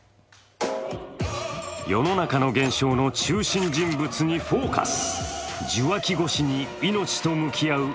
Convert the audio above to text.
世の中の現象の中心人物に「ＦＯＣＵＳ」。